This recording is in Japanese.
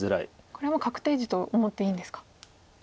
これもう確定地と思っていいんですか。